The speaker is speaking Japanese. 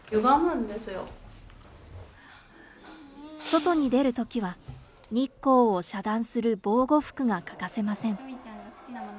外に出るときは、日光を遮断する防護服が欠かせません。